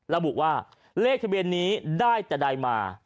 ระบุว่าเลขทะเบียนนี้ได้แต่ใดมา